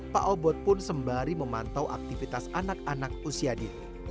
pak obot pun sembari memantau aktivitas anak anak usia dini